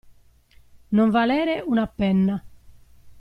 Non valere una penna.